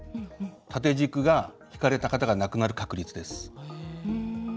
縦軸がひかれた方が亡くなる確率です。